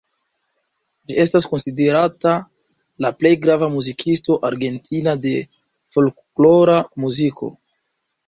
Ĝi estas konsiderata la plej grava muzikisto argentina de folklora muziko.